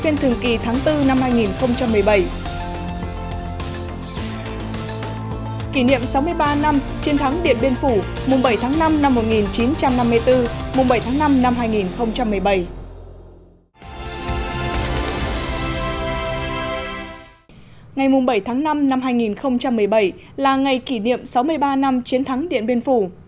ngày bảy tháng năm năm hai nghìn một mươi bảy là ngày kỷ niệm sáu mươi ba năm chiến thắng điện biên phủ